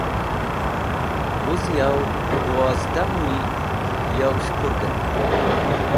Wuz yow dawozdah mũy yow s̃hukurgem.